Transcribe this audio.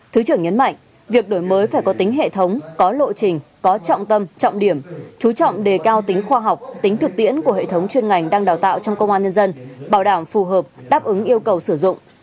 thứ trưởng nhấn mạnh việc đổi mới phải có tính hệ thống có lộ trình có trọng tâm trọng điểm chú trọng đề cao tính khoa học tính thực tiễn của hệ thống chuyên ngành đang đào tạo trong công an nhân dân bảo đảm phù hợp đáp ứng yêu cầu sử dụng